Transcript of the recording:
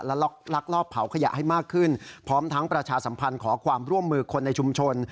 และลักลอบเผาขยะให้มากขึ้นพร้อมทั้งประชาสัมพันธ์ขอความร่วมมือคนในชุมชน